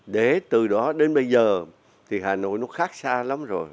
để từ đó đến bây giờ thì hà nội nó khác xa lắm rồi